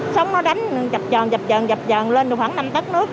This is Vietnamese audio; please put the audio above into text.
sông nó đánh chập tròn chập tròn chập tròn lên khoảng năm tất nước